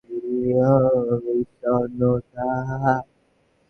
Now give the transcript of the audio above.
তাহার পূর্বে আর-এক দিন আমার চিঠি পড়িয়া উত্তর না দিয়া ফিরাইয়া পাঠাইয়াছিলে?